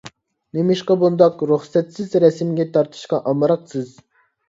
نېمىشقا بۇنداق رۇخسەتسىز رەسىمگە تارتىشقا ئامراقسىز؟